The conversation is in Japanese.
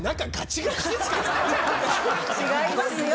違いますよ！